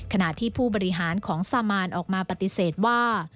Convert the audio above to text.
ขณะที่ผู้บริหารของซามานออกมาปฏิเสธว่า